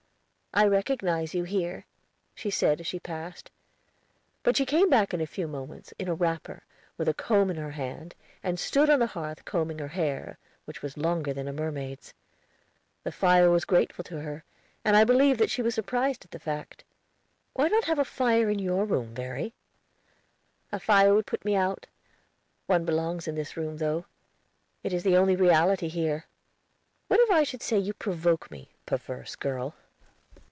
"I recognize you here," she said as she passed. But she came back in a few moments in a wrapper, with a comb in her hand, and stood on the hearth combing her hair, which was longer than a mermaid's. The fire was grateful to her, and I believe that she was surprised at the fact. "Why not have a fire in your room, Verry?" "A fire would put me out. One belongs in this room, though. It is the only reality here." "What if I should say you provoke me, perverse girl?"